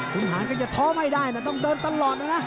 คุณหารก็จะท้อไม่ได้นะต้องเดินตลอดนะนะ